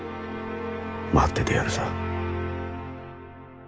待っててやるさ。